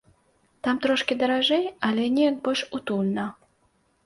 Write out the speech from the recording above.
Там трошкі даражэй, але неяк больш утульна.